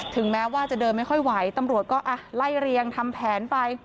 แม้ว่าจะเดินไม่ค่อยไหวตำรวจก็ไล่เรียงทำแผนไป